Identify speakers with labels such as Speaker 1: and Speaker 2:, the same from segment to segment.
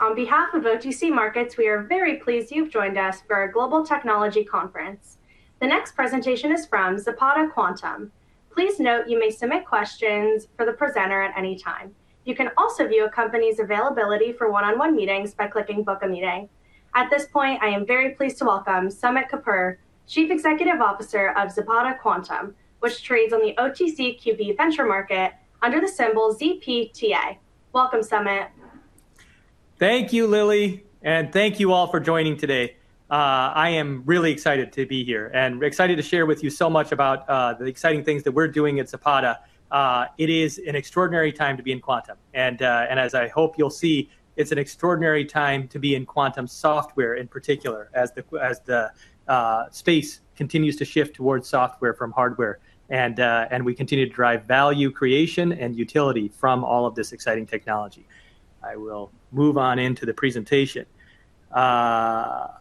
Speaker 1: On behalf of OTC Markets, we are very pleased you've joined us for our Global Technology Conference. The next presentation is from Zapata Quantum. Please note you may submit questions for the presenter at any time. You can also view a company's availability for one-on-one meetings by clicking Book a Meeting. At this point, I am very pleased to welcome Sumit Kapur, Chief Executive Officer of Zapata Quantum, which trades on the OTCQB Venture Market under the symbol ZPTA. Welcome, Sumit.
Speaker 2: Thank you, Lily, and thank you all for joining today. I am really excited to be here and excited to share with you so much about the exciting things that we're doing at Zapata. It is an extraordinary time to be in quantum, and as I hope you'll see, it's an extraordinary time to be in quantum software in particular, as the space continues to shift towards software from hardware. We continue to drive value creation and utility from all of this exciting technology. I will move on into the presentation. Before I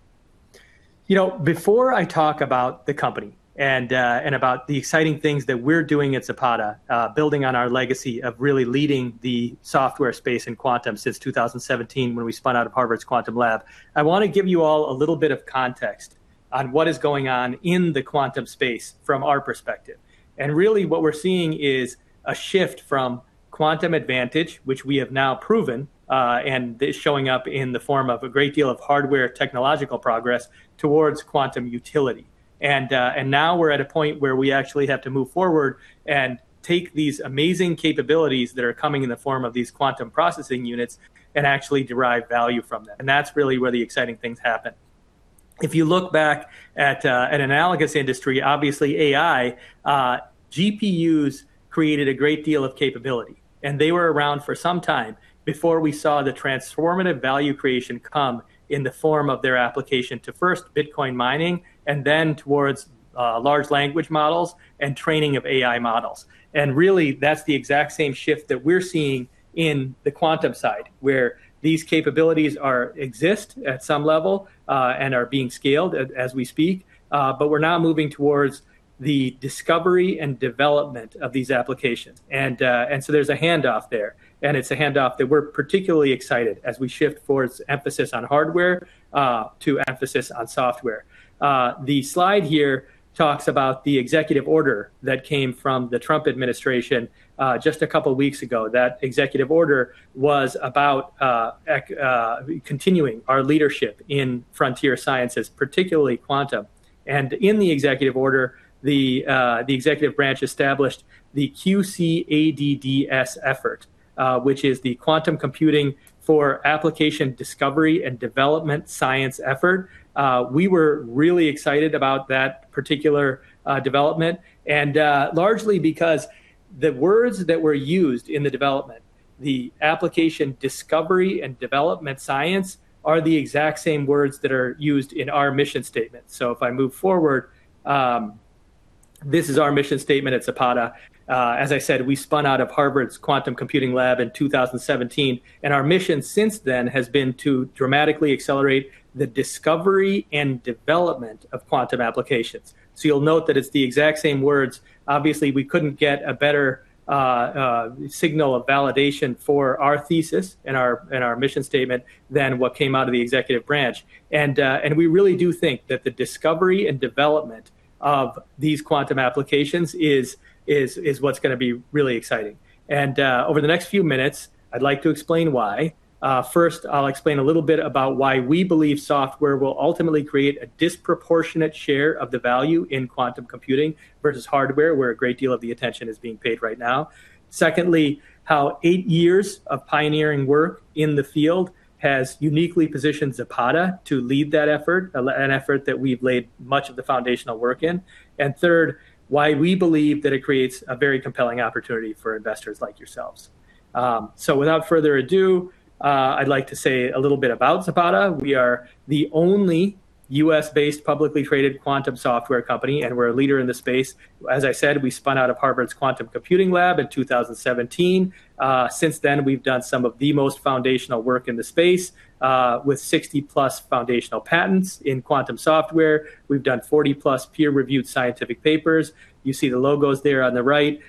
Speaker 2: talk about the company and about the exciting things that we're doing at Zapata, building on our legacy of really leading the software space in quantum since 2017, when we spun out of Harvard's Quantum Lab, I want to give you all a little bit of context on what is going on in the quantum space from our perspective. Really what we're seeing is a shift from quantum advantage, which we have now proven, and is showing up in the form of a great deal of hardware technological progress towards quantum utility. Now we're at a point where we actually have to move forward and take these amazing capabilities that are coming in the form of these quantum processing units and actually derive value from them, and that's really where the exciting things happen. If you look back at an analogous industry, obviously AI, GPUs created a great deal of capability, and they were around for some time before we saw the transformative value creation come in the form of their application to first Bitcoin mining and then towards large language models and training of AI models. Really that's the exact same shift that we're seeing in the quantum side, where these capabilities exist at some level, and are being scaled as we speak. We're now moving towards the discovery and development of these applications. So there's a handoff there, and it's a handoff that we're particularly excited as we shift towards emphasis on hardware, to emphasis on software. The slide here talks about the executive order that came from the Trump administration just a couple of weeks ago. That executive order was about continuing our leadership in frontier sciences, particularly quantum. In the executive order, the executive branch established the QCADDS effort, which is the Quantum Computing for Application Discovery and Development Science effort. We were really excited about that particular development, largely because the words that were used in the development, the application discovery and development science, are the exact same words that are used in our mission statement. If I move forward, this is our mission statement at Zapata. As I said, we spun out of Harvard's Quantum Computing lab in 2017, and our mission since then has been to dramatically accelerate the discovery and development of quantum applications. You'll note that it's the exact same words. Obviously, we couldn't get a better signal of validation for our thesis and our mission statement than what came out of the executive branch. We really do think that the discovery and development of these quantum applications is what's going to be really exciting. Over the next few minutes, I'd like to explain why. First, I'll explain a little bit about why we believe software will ultimately create a disproportionate share of the value in quantum computing versus hardware, where a great deal of the attention is being paid right now. Secondly, how eight years of pioneering work in the field has uniquely positioned Zapata to lead that effort, an effort that we've laid much of the foundational work in. Third, why we believe that it creates a very compelling opportunity for investors like yourselves. Without further ado, I'd like to say a little bit about Zapata. We are the only U.S.-based, publicly traded quantum software company, and we're a leader in the space. As I said, we spun out of Harvard's Quantum Computing lab in 2017. Since then, we've done some of the most foundational work in the space, with 60+ foundational patents in quantum software. We've done 40+ peer-reviewed scientific papers. You see the logos there on the right.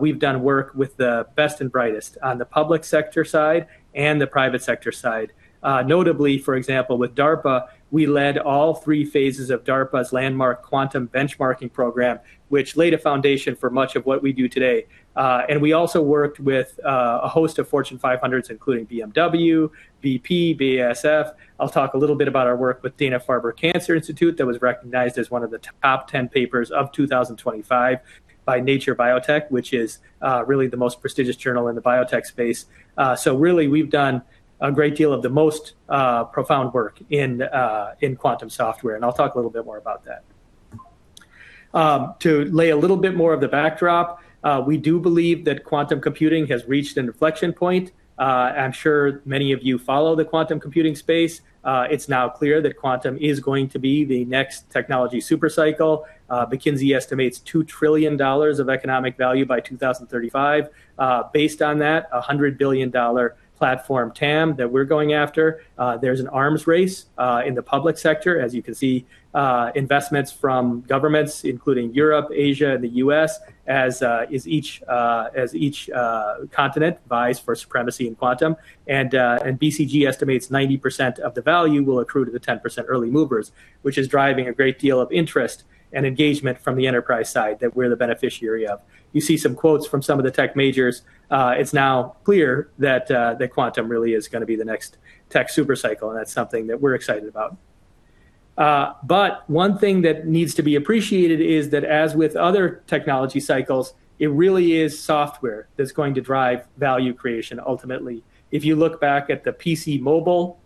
Speaker 2: We've done work with the best and brightest on the public sector side and the private sector side. Notably, for example, with DARPA, we led all three phases of DARPA's landmark quantum benchmarking program, which laid a foundation for much of what we do today. We also worked with a host of Fortune 500s, including BMW, BP, BASF. I'll talk a little bit about our work with Dana-Farber Cancer Institute that was recognized as one of the top 10 papers of 2025 by "Nature Biotech," which is really the most prestigious journal in the biotech space. Really, we've done a great deal of the most profound work in quantum software, I'll talk a little bit more about that. To lay a little bit more of the backdrop, we do believe that quantum computing has reached an inflection point. I'm sure many of you follow the quantum computing space. It's now clear that quantum is going to be the next technology super cycle. McKinsey estimates $2 trillion of economic value by 2035. Based on that, a $100 billion platform TAM that we're going after. There's an arms race in the public sector, as you can see, investments from governments including Europe, Asia, and the U.S., as each continent vies for supremacy in quantum. BCG estimates 90% of the value will accrue to the 10% early movers, which is driving a great deal of interest and engagement from the enterprise side that we're the beneficiary of. You see some quotes from some of the tech majors. It's now clear that the quantum really is going to be the next tech super cycle, that's something that we're excited about. One thing that needs to be appreciated is that as with other technology cycles, it really is software that's going to drive value creation ultimately. If you look back at the PC mobile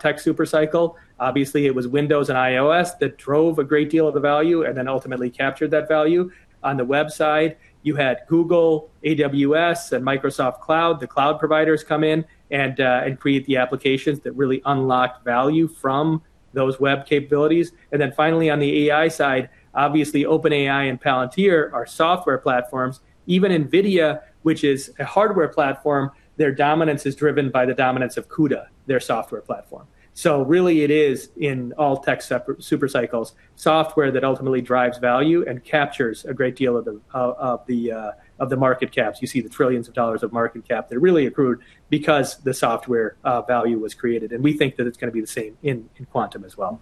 Speaker 2: tech super cycle, obviously it was Windows and iOS that drove a great deal of the value and then ultimately captured that value. On the web side, you had Google, AWS, and Microsoft Cloud. The cloud providers come in and create the applications that really unlocked value from those web capabilities. Finally, on the AI side, obviously OpenAI and Palantir are software platforms. Even NVIDIA, which is a hardware platform, their dominance is driven by the dominance of CUDA, their software platform. Really it is, in all tech super cycles, software that ultimately drives value and captures a great deal of the market caps. You see the trillions of dollars of market cap that really accrued because the software value was created. We think that it's going to be the same in quantum as well.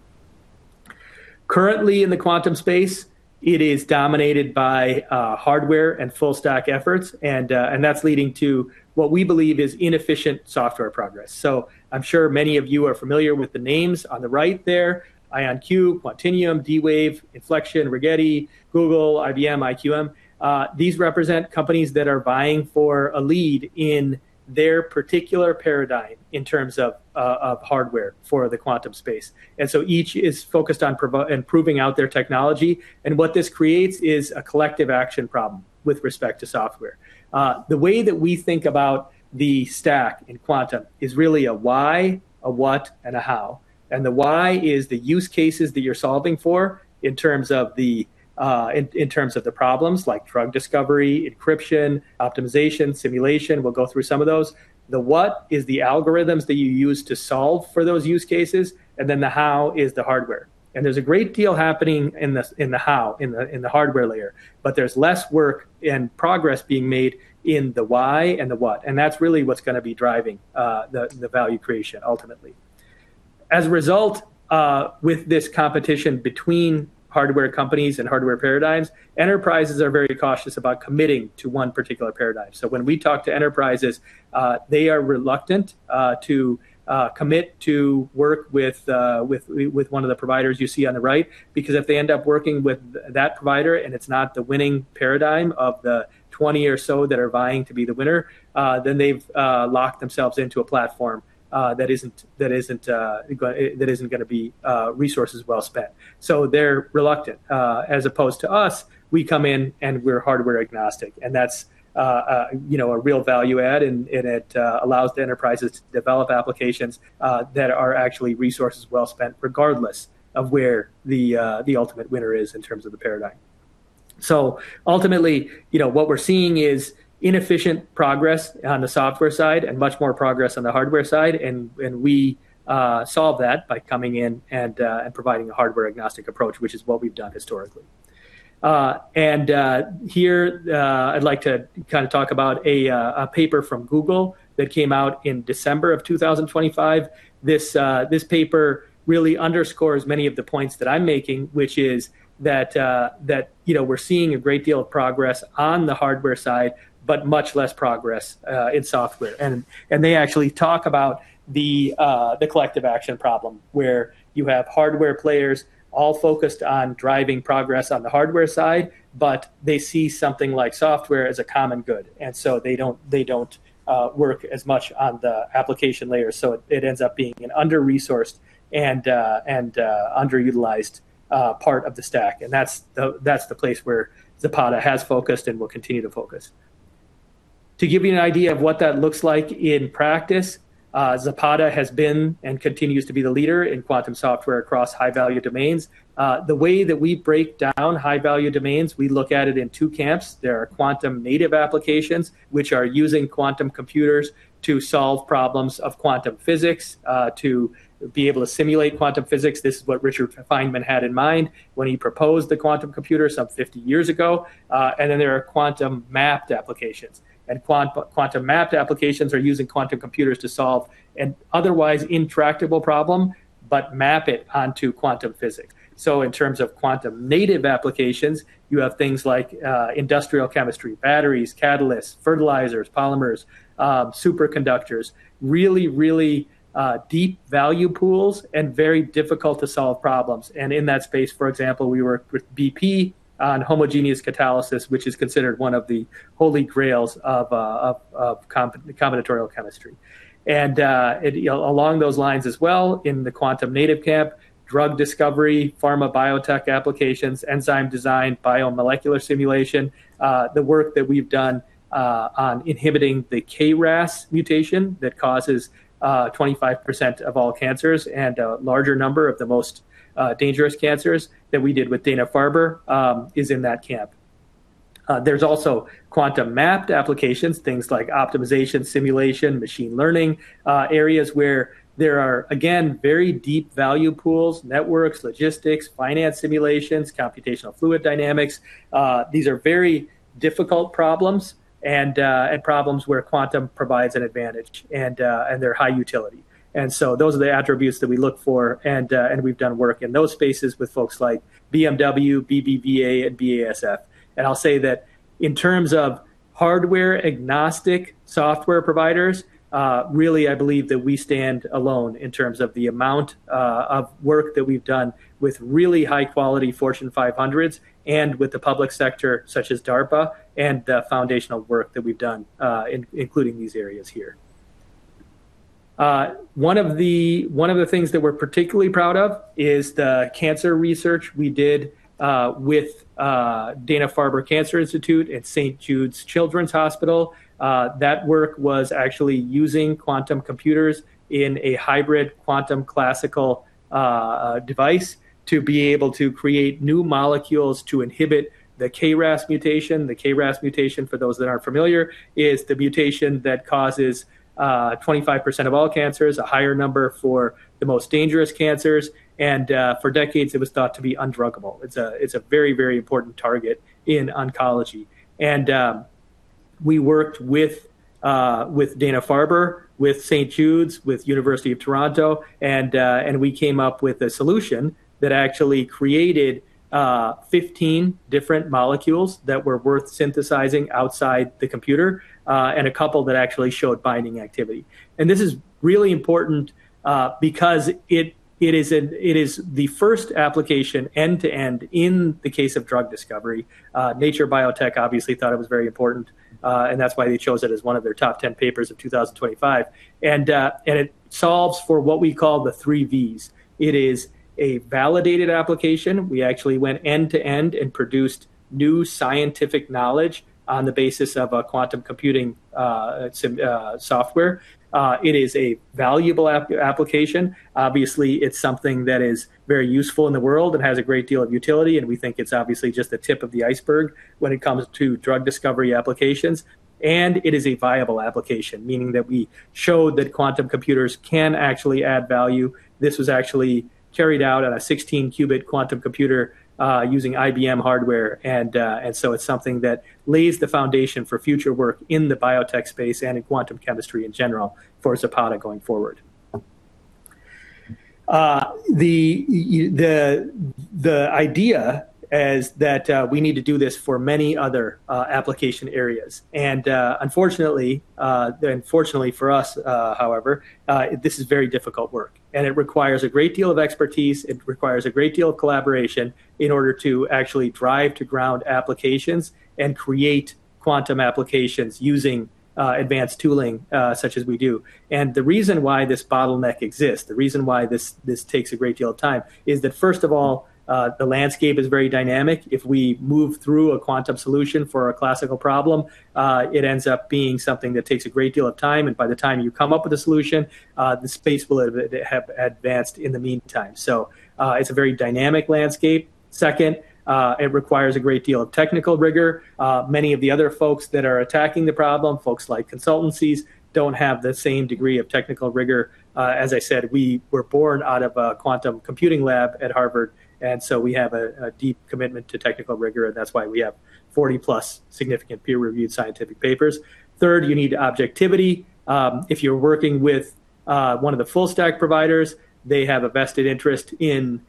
Speaker 2: Currently in the quantum space, it is dominated by hardware and full stack efforts, that's leading to what we believe is inefficient software progress. I'm sure many of you are familiar with the names on the right there, IonQ, Quantinuum, D-Wave, Infleqtion, Rigetti, Google, IBM, IQM. These represent companies that are vying for a lead in their particular paradigm in terms of hardware for the quantum space. Each is focused on improving out their technology, what this creates is a collective action problem with respect to software. The way that we think about the stack in quantum is really a why, a what, and a how. The why is the use cases that you're solving for in terms of the problems like drug discovery, encryption, optimization, simulation. We'll go through some of those. The what is the algorithms that you use to solve for those use cases, the how is the hardware. There's a great deal happening in the how, in the hardware layer, there's less work and progress being made in the why and the what, that's really what's going to be driving the value creation ultimately. As a result, with this competition between hardware companies and hardware paradigms, enterprises are very cautious about committing to one particular paradigm. When we talk to enterprises, they are reluctant to commit to work with one of the providers you see on the right, because if they end up working with that provider and it's not the winning paradigm of the 20 or so that are vying to be the winner. Then they've locked themselves into a platform that isn't going to be resources well spent. They're reluctant, as opposed to us, we come in and we're hardware agnostic, that's a real value add, and it allows the enterprises to develop applications that are actually resources well spent regardless of where the ultimate winner is in terms of the paradigm. Ultimately, what we're seeing is inefficient progress on the software side and much more progress on the hardware side, and we solve that by coming in and providing a hardware agnostic approach, which is what we've done historically. Here, I'd like to talk about a paper from Google that came out in December of 2025. This paper really underscores many of the points that I'm making, which is that we're seeing a great deal of progress on the hardware side, but much less progress in software. They actually talk about the collective action problem where you have hardware players all focused on driving progress on the hardware side, but they see something like software as a common good, they don't work as much on the application layer. It ends up being an under-resourced and underutilized part of the stack, and that's the place where Zapata has focused and will continue to focus. To give you an idea of what that looks like in practice, Zapata has been and continues to be the leader in quantum software across high-value domains. The way that we break down high-value domains, we look at it in two camps. There are quantum native applications, which are using quantum computers to solve problems of quantum physics, to be able to simulate quantum physics. This is what Richard Feynman had in mind when he proposed the quantum computer some 50 years ago. Then there are quantum mapped applications. Quantum mapped applications are using quantum computers to solve an otherwise intractable problem, but map it onto quantum physics. In terms of quantum native applications, you have things like industrial chemistry, batteries, catalysts, fertilizers, polymers, superconductors. Really, really deep value pools and very difficult to solve problems. In that space, for example, we work with BP on homogeneous catalysis, which is considered one of the holy grails of combinatorial chemistry. Along those lines as well, in the quantum native camp, drug discovery, pharma biotech applications, enzyme design, biomolecular simulation. The work that we've done on inhibiting the KRAS mutation that causes 25% of all cancers and a larger number of the most dangerous cancers that we did with Dana-Farber is in that camp. There's also quantum mapped applications, things like optimization, simulation, machine learning, areas where there are, again, very deep value pools, networks, logistics, finance simulations, computational fluid dynamics. These are very difficult problems and problems where quantum provides an advantage, and they're high utility. Those are the attributes that we look for, and we've done work in those spaces with folks like BMW, BBVA, and BASF. I'll say that in terms of hardware-agnostic software providers, really, I believe that we stand alone in terms of the amount of work that we've done with really high-quality Fortune 500s and with the public sector, such as DARPA, and the foundational work that we've done including these areas here. One of the things that we're particularly proud of is the cancer research we did with Dana-Farber Cancer Institute at St. Jude Children's Research Hospital. That work was actually using quantum computers in a hybrid quantum classical device to be able to create new molecules to inhibit the KRAS mutation. The KRAS mutation, for those that aren't familiar, is the mutation that causes 25% of all cancers, a higher number for the most dangerous cancers, and for decades it was thought to be undruggable. It's a very important target in oncology. We worked with Dana-Farber, with St. Jude, with University of Toronto, and we came up with a solution that actually created 15 different molecules that were worth synthesizing outside the computer, and a couple that actually showed binding activity. This is really important because it is the first application, end-to-end, in the case of drug discovery. Nature Biotechnology obviously thought it was very important, and that's why they chose it as one of their top 10 papers of 2025. It solves for what we call the three V's. It is a validated application. We actually went end-to-end and produced new scientific knowledge on the basis of a quantum computing software. It is a valuable application. Obviously, it's something that is very useful in the world and has a great deal of utility, we think it's obviously just the tip of the iceberg when it comes to drug discovery applications. It is a viable application, meaning that we showed that quantum computers can actually add value. This was actually carried out on a 16-qubit quantum computer, using IBM hardware. So it's something that lays the foundation for future work in the biotech space and in quantum chemistry in general for Zapata going forward. The idea is that we need to do this for many other application areas. Unfortunately for us, however, this is very difficult work, and it requires a great deal of expertise. It requires a great deal of collaboration in order to actually drive to ground applications and create quantum applications using advanced tooling such as we do. The reason why this bottleneck exists, the reason why this takes a great deal of time, is that first of all, the landscape is very dynamic. If we move through a quantum solution for a classical problem, it ends up being something that takes a great deal of time, and by the time you come up with a solution, the space will have advanced in the meantime. It's a very dynamic landscape. Second, it requires a great deal of technical rigor. Many of the other folks that are attacking the problem, folks like consultancies, don't have the same degree of technical rigor. As I said, we were born out of a quantum computing lab at Harvard, so we have a deep commitment to technical rigor, and that's why we have 40+ significant peer-reviewed scientific papers. Third, you need objectivity. If you're working with one of the full stack providers, they have a vested interest in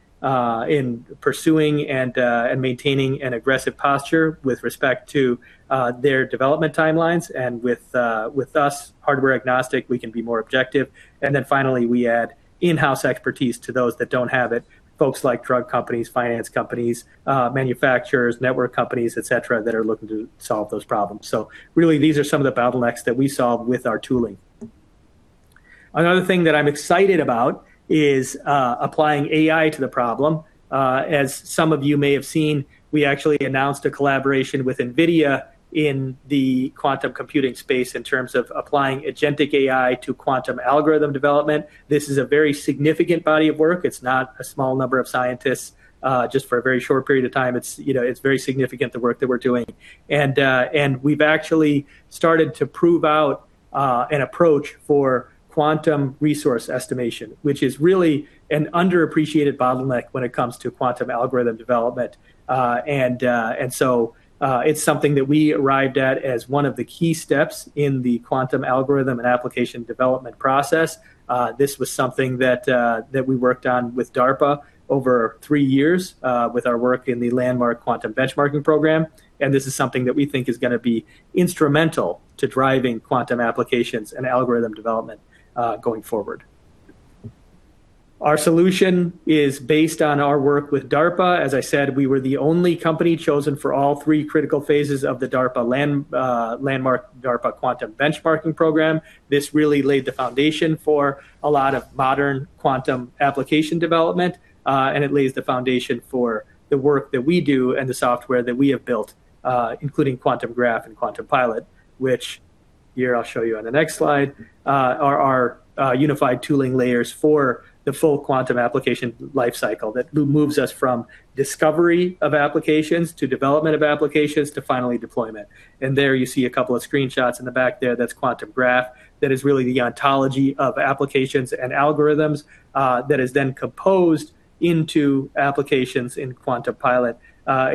Speaker 2: pursuing and maintaining an aggressive posture with respect to their development timelines, with us, hardware agnostic, we can be more objective. Finally, we add in-house expertise to those that don't have it. Folks like drug companies, finance companies, manufacturers, network companies, et cetera, that are looking to solve those problems. Really, these are some of the bottlenecks that we solve with our tooling. Another thing that I'm excited about is applying AI to the problem. As some of you may have seen, we actually announced a collaboration with NVIDIA in the quantum computing space in terms of applying agentic AI to quantum algorithm development. This is a very significant body of work. It's not a small number of scientists, just for a very short period of time. It's very significant, the work that we're doing. We've actually started to prove out an approach for quantum resource estimation, which is really an underappreciated bottleneck when it comes to quantum algorithm development. It's something that we arrived at as one of the key steps in the quantum algorithm and application development process. This was something that we worked on with DARPA over three years, with our work in the Landmark Quantum Benchmarking program. This is something that we think is going to be instrumental to driving quantum applications and algorithm development going forward. Our solution is based on our work with DARPA. As I said, we were the only company chosen for all three critical phases of the DARPA Landmark Quantum Benchmarking program. This really laid the foundation for a lot of modern quantum application development. It lays the foundation for the work that we do and the software that we have built, including QuantumGraph and QuantumPilot, which here I'll show you on the next slide, are our unified tooling layers for the full quantum application life cycle that moves us from discovery of applications to development of applications to finally deployment. There you see a couple of screenshots in the back there. That's QuantumGraph. That is really the ontology of applications and algorithms, that is then composed into applications in QuantumPilot.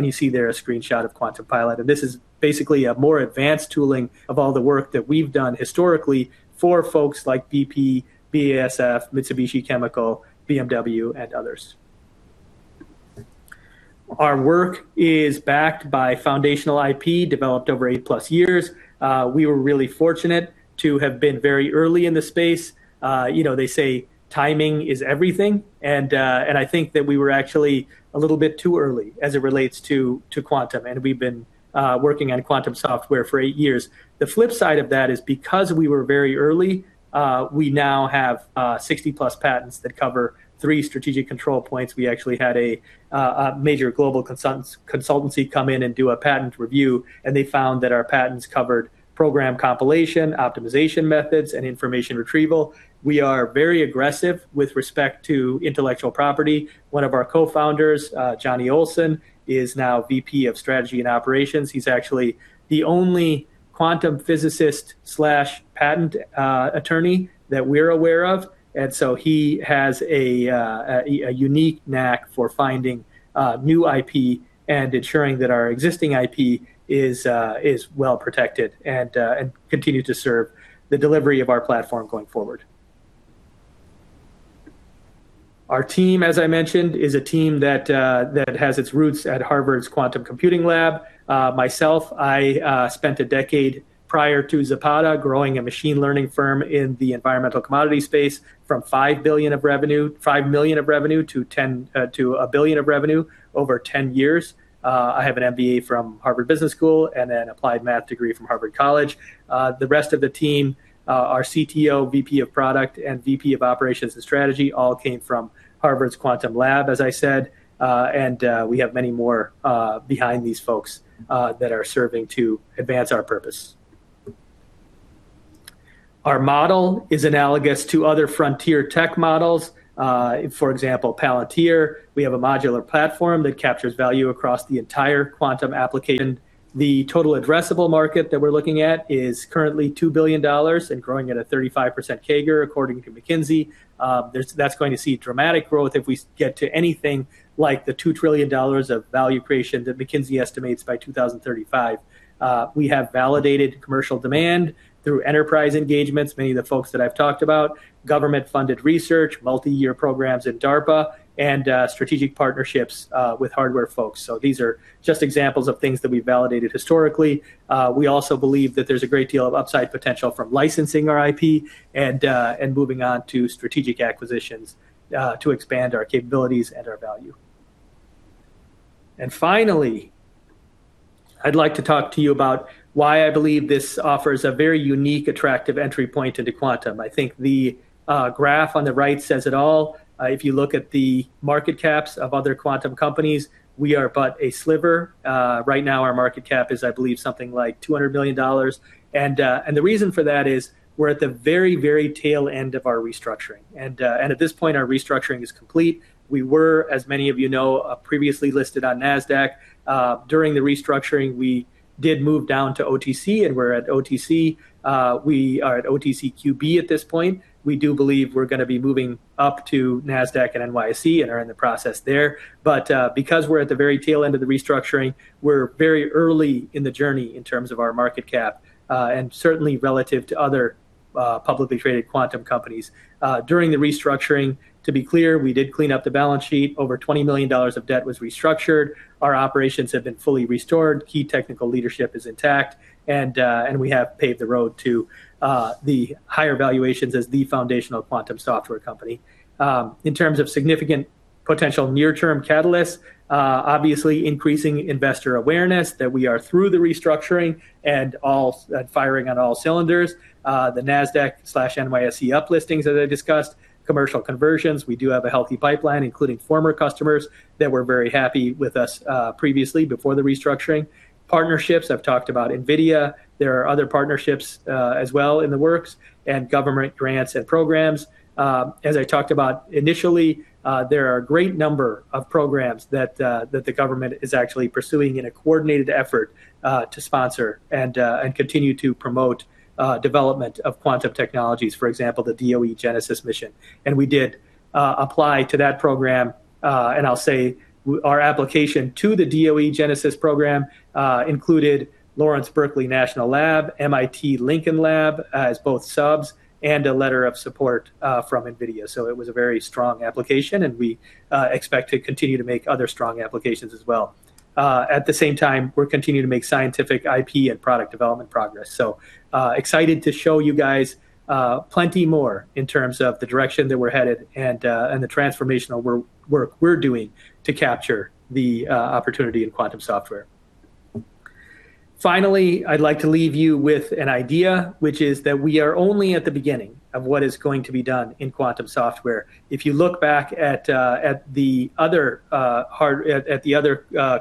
Speaker 2: You see there a screenshot of QuantumPilot, and this is basically a more advanced tooling of all the work that we've done historically for folks like BP, BASF, Mitsubishi Chemical, BMW, and others. Our work is backed by foundational IP developed over 8+ years. We were really fortunate to have been very early in the space. They say timing is everything. I think that we were actually a little bit too early as it relates to quantum. We've been working on quantum software for eight years. The flip side of that is because we were very early, we now have 60+ patents that cover three strategic control points. We actually had a major global consultancy come in and do a patent review. They found that our patents covered program compilation, optimization methods, and information retrieval. We are very aggressive with respect to intellectual property. One of our co-founders, Jonny Olson, is now VP of Strategy and Operations. He's actually the only quantum physicist/patent attorney that we're aware of, He has a unique knack for finding new IP and ensuring that our existing IP is well protected and continue to serve the delivery of our platform going forward. Our team, as I mentioned, is a team that has its roots at Harvard's Quantum Computing Lab. Myself, I spent a decade prior to Zapata growing a machine learning firm in the environmental commodity space from $5 million of revenue to $1 billion of revenue over 10 years. I have an MBA from Harvard Business School and an applied math degree from Harvard College. The rest of the team, our CTO, VP of Product, and VP of Operations and Strategy, all came from Harvard's Quantum Lab, as I said, and we have many more behind these folks that are serving to advance our purpose. Our model is analogous to other frontier tech models. For example, Palantir, we have a modular platform that captures value across the entire quantum application. The total addressable market that we're looking at is currently $2 billion and growing at a 35% CAGR, according to McKinsey. That's going to see dramatic growth if we get to anything like the $2 trillion of value creation that McKinsey estimates by 2035. We have validated commercial demand through enterprise engagements, many of the folks that I've talked about, government-funded research, multi-year programs at DARPA, and strategic partnerships with hardware folks. These are just examples of things that we've validated historically. We also believe that there's a great deal of upside potential from licensing our IP and moving on to strategic acquisitions to expand our capabilities and our value. Finally, I'd like to talk to you about why I believe this offers a very unique, attractive entry point into quantum. I think the graph on the right says it all. If you look at the market caps of other quantum companies, we are but a sliver. Right now, our market cap is, I believe, something like $200 million. The reason for that is we're at the very, very tail end of our restructuring. At this point, our restructuring is complete. We were, as many of you know, previously listed on NASDAQ. During the restructuring, we did move down to OTC, and we're at OTC. We are at OTCQB at this point. We do believe we're going to be moving up to NASDAQ and NYSE and are in the process there. But, because we're at the very tail end of the restructuring, we're very early in the journey in terms of our market cap, and certainly relative to other publicly traded quantum companies. During the restructuring, to be clear, we did clean up the balance sheet. Over $20 million of debt was restructured. Our operations have been fully restored. Key technical leadership is intact. We have paved the road to the higher valuations as the foundational quantum software company. In terms of significant potential near-term catalysts, obviously increasing investor awareness that we are through the restructuring and firing on all cylinders. The NASDAQ/NYSE uplistings, as I discussed, commercial conversions. We do have a healthy pipeline, including former customers that were very happy with us previously before the restructuring. Partnerships, I've talked about NVIDIA. There are other partnerships as well in the works, and government grants and programs. As I talked about initially, there are a great number of programs that the government is actually pursuing in a coordinated effort to sponsor and continue to promote development of quantum technologies, for example, the DOE Genesis Mission. We did apply to that program, I'll say our application to the DOE Genesis program included Lawrence Berkeley National Lab, MIT Lincoln Lab, as both subs, and a letter of support from NVIDIA. It was a very strong application, and we expect to continue to make other strong applications as well. At the same time, we're continuing to make scientific IP and product development progress. Excited to show you guys plenty more in terms of the direction that we're headed and the transformational work we're doing to capture the opportunity in quantum software. Finally, I'd like to leave you with an idea, which is that we are only at the beginning of what is going to be done in quantum software. If you look back at the other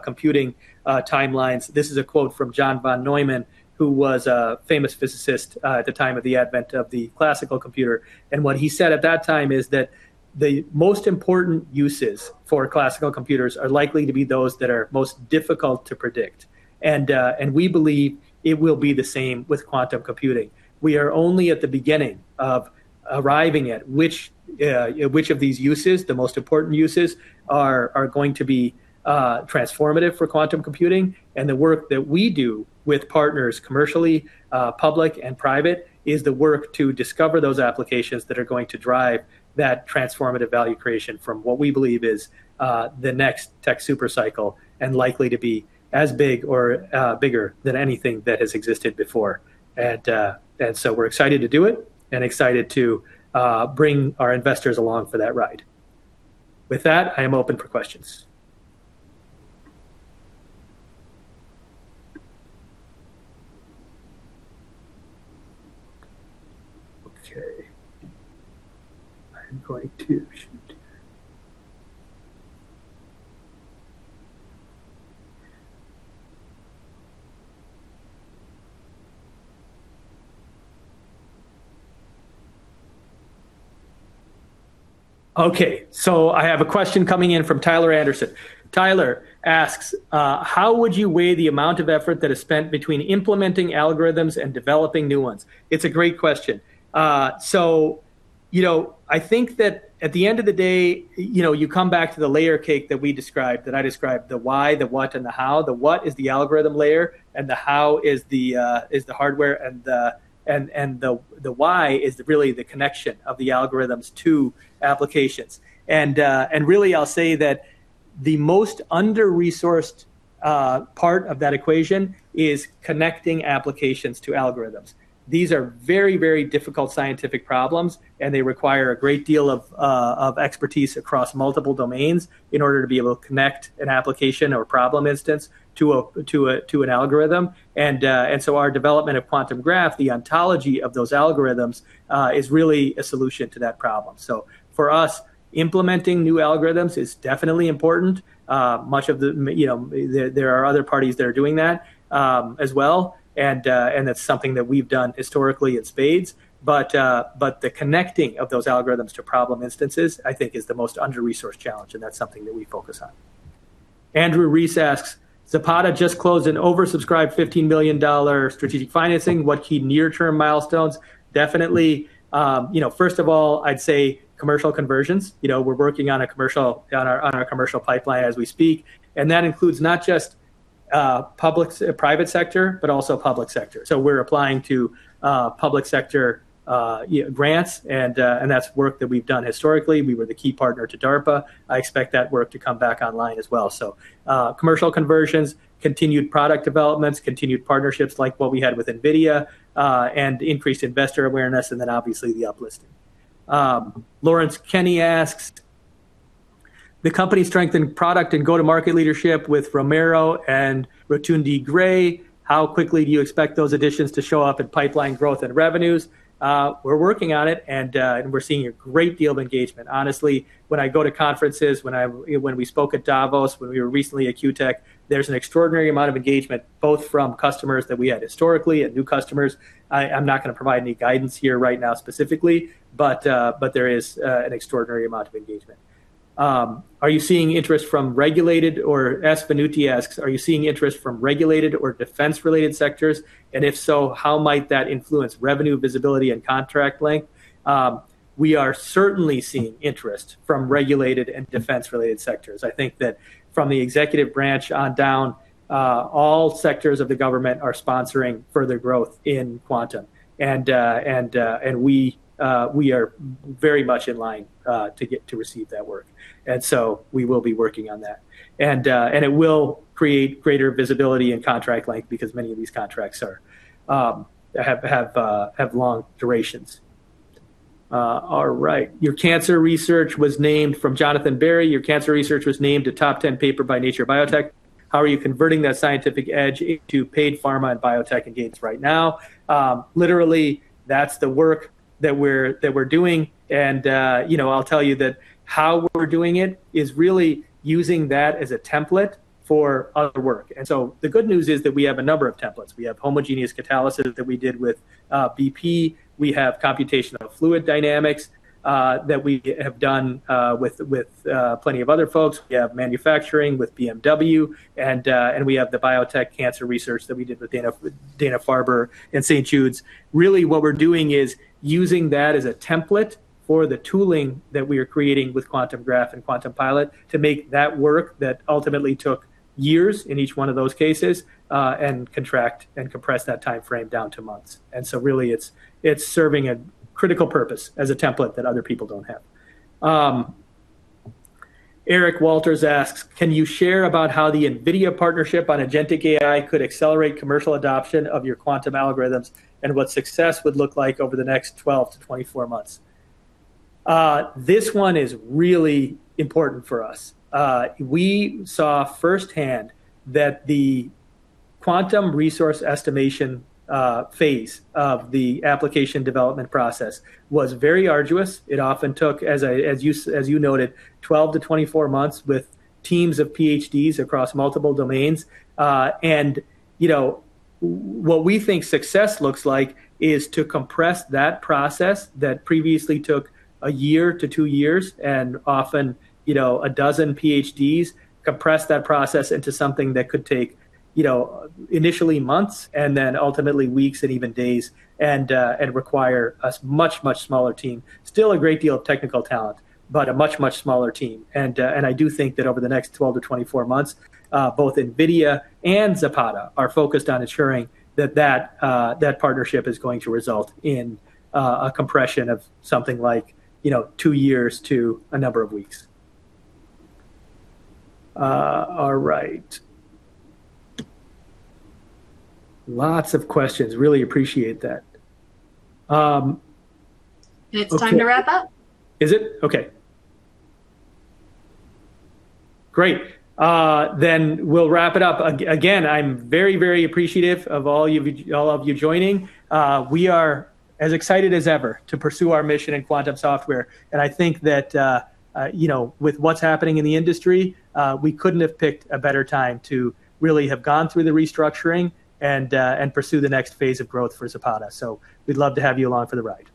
Speaker 2: computing timelines, this is a quote from John von Neumann, who was a famous physicist at the time of the advent of the classical computer. What he said at that time is that the most important uses for classical computers are likely to be those that are most difficult to predict. We believe it will be the same with quantum computing. We are only at the beginning of arriving at which of these uses, the most important uses, are going to be transformative for quantum computing. The work that we do with partners commercially, public and private, is the work to discover those applications that are going to drive that transformative value creation from what we believe is the next tech super cycle and likely to be as big or bigger than anything that has existed before. We're excited to do it and excited to bring our investors along for that ride. With that, I am open for questions. I'm going to shoot. I have a question coming in from Tyler Anderson. Tyler asks, "How would you weigh the amount of effort that is spent between implementing algorithms and developing new ones?" It's a great question. I think that at the end of the day, you come back to the layer cake that we described, that I described, the why, the what, and the how. The what is the algorithm layer, and the how is the hardware, and the why is really the connection of the algorithms to applications. Really, I'll say that the most under-resourced part of that equation is connecting applications to algorithms. These are very, very difficult scientific problems, and they require a great deal of expertise across multiple domains in order to be able to connect an application or a problem instance to an algorithm. Our development of Quantum Graph, the ontology of those algorithms, is really a solution to that problem. For us, implementing new algorithms is definitely important. There are other parties that are doing that as well, and that's something that we've done historically in spades. The connecting of those algorithms to problem instances, I think is the most under-resourced challenge, and that's something that we focus on. Andrew Reese asks, "Zapata just closed an oversubscribed $15 million strategic financing. What key near-term milestones?" Definitely. First of all, I'd say commercial conversions. We're working on our commercial pipeline as we speak, and that includes not just private sector, but also public sector. We're applying to public sector grants, that's work that we've done historically. We were the key partner to DARPA. I expect that work to come back online as well. Commercial conversions, continued product developments, continued partnerships like what we had with NVIDIA, increased investor awareness, then obviously the up-listing. Lawrence Kenny asks, "The company strengthened product and go-to-market leadership with Romero and Rotondi-Gray. How quickly do you expect those additions to show up in pipeline growth and revenues?" We're working on it, we're seeing a great deal of engagement. Honestly, when I go to conferences, when we spoke at Davos, when we were recently at QTech, there's an extraordinary amount of engagement, both from customers that we had historically and new customers. I'm not going to provide any guidance here right now specifically, there is an extraordinary amount of engagement. S. Venuti asks, "Are you seeing interest from regulated or defense-related sectors? If so, how might that influence revenue visibility and contract length?" We are certainly seeing interest from regulated and defense-related sectors. I think that from the executive branch on down, all sectors of the government are sponsoring further growth in Quantum. We are very much in line to receive that work. We will be working on that. It will create greater visibility and contract length because many of these contracts have long durations. All right. From Jonathan Berry, "Your cancer research was named a top 10 paper by Nature Biotech. How are you converting that scientific edge into paid pharma and biotech engagements right now?" Literally, that's the work that we're doing, I'll tell you that how we're doing it is really using that as a template for other work. The good news is that we have a number of templates. We have homogeneous catalysis that we did with BP. We have computational fluid dynamics that we have done with plenty of other folks. We have manufacturing with BMW, we have the biotech cancer research that we did with Dana-Farber and St. Jude's. Really, what we're doing is using that as a template for the tooling that we are creating with Quantum Graph and Quantum Pilot to make that work that ultimately took years in each one of those cases, contract and compress that timeframe down to months. Really it's serving a critical purpose as a template that other people don't have. Eric Walters asks, "Can you share about how the NVIDIA partnership on agentic AI could accelerate commercial adoption of your quantum algorithms, what success would look like over the next 12 to 24 months?" This one is really important for us. We saw firsthand that the quantum resource estimation phase of the application development process was very arduous. It often took, as you noted, 12 to 24 months with teams of PhDs across multiple domains. What we think success looks like is to compress that process that previously took a year to two years and often a dozen PhDs, compress that process into something that could take initially months, then ultimately weeks and even days, and require a much, much smaller team. Still a great deal of technical talent, a much, much smaller team. I do think that over the next 12 to 24 months, both NVIDIA and Zapata are focused on ensuring that that partnership is going to result in a compression of something like two years to a number of weeks. All right. Lots of questions. Really appreciate that.
Speaker 1: It's time to wrap up.
Speaker 2: Is it? Okay. Great. We'll wrap it up. Again, I'm very appreciative of all of you joining. We are as excited as ever to pursue our mission in quantum software, and I think that with what's happening in the industry, we couldn't have picked a better time to really have gone through the restructuring and pursue the next phase of growth for Zapata. We'd love to have you along for the ride.